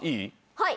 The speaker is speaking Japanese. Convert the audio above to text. はい。